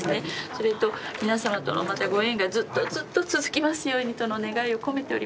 それと皆様とのまたご縁がずっとずっと続きますようにとの願いを込めております。